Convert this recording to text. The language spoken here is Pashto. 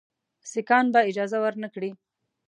سیکهان به اجازه ورنه کړي.